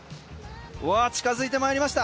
近づいてまいりました。